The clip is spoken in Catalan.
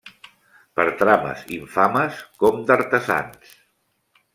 Per trames infames com d'artesans.